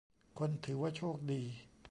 คนถือว่าโชคดี